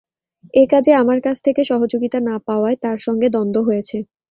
এ কাজে আমার কাছ থেকে সহযোগিতা না পাওয়ায় তাঁর সঙ্গে দ্বন্দ্ব হয়েছে।